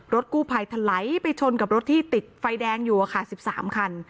รถกู้ภัยทะไล้ไปชนกับรถที่ติดไฟแดงอยู่อ่ะค่ะสิบสามคัน